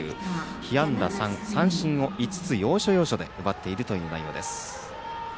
被安打３三振５つ、要所要所で奪っているという内容です。